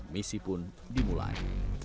misi pun dimulai